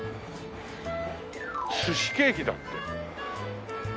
寿司ケーキだって。